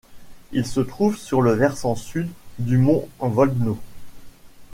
Il se trouve sur le versant sud du mont Vodno.